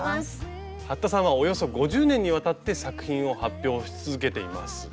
服田さんはおよそ５０年にわたって作品を発表し続けています。